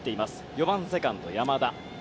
４番セカンド、山田。